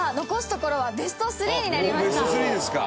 もうベスト３ですか。